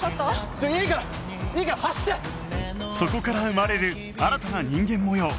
そこから生まれる新たな人間模様